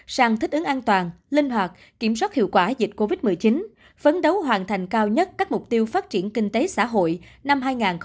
sang thích ứng an toàn linh hoạt kiểm soát hiệu quả dịch covid một mươi chín phấn đấu hoàn thành cao nhất các mục tiêu phát triển kinh tế xã hội năm hai nghìn hai mươi